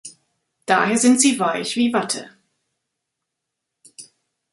Daher sind sie weich wie Watte.